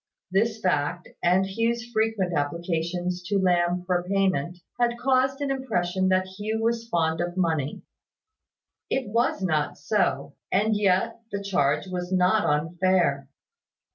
This fact and Hugh's frequent applications to Lamb for payment, had caused an impression that Hugh was fond of money. It was not so; and yet the charge was not unfair.